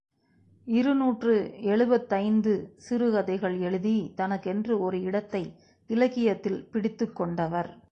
இருநூற்று எழுபத்தைந்து சிறுகதைகள் எழுதி தனக்கென்று ஒரு இடத்தை இலக்கியத்தில் பிடித்துக்கொண்டவர்.